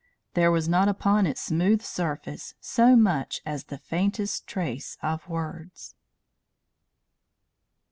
There was not upon its smooth surface so much as the faintest trace of words.